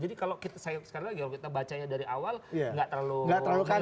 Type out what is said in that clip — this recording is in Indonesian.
jadi kalau kita bacanya dari awal nggak terlalu mengejutkan